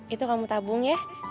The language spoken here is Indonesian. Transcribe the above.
itu kamu tabung ya